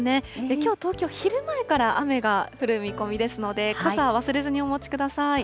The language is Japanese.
きょう、東京、昼前から雨が降る見込みですので、傘、忘れずにお持ちください。